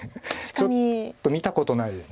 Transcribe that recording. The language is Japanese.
ちょっと見たことないです。